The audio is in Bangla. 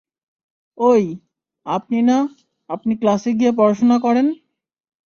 ওই, আপনি না, আপনি ক্লাসে গিয়ে পড়াশোনা করেন।